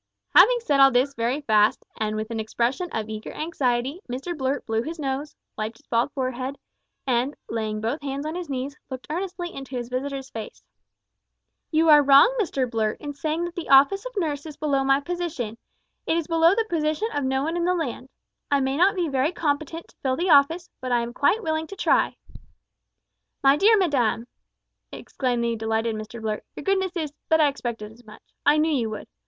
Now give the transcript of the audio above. Having said all this very fast, and with an expression of eager anxiety, Mr Blurt blew his nose, wiped his bald forehead, and, laying both hands on his knees, looked earnestly into his visitor's face. "You are wrong, Mr Blurt, in saying that the office of nurse is below my position. It is below the position of no one in the land. I may not be very competent to fill the office, but I am quite willing to try." "My dear madam," exclaimed the delighted Mr Blurt, "your goodness is but I expected as much. I knew you would.